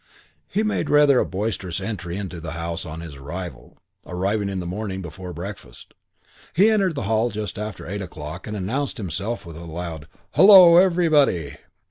V He made rather a boisterous entry into the house on his arrival, arriving in the morning before breakfast. He entered the hall just after eight o'clock and announced himself with a loud, "Hullo, everybody!"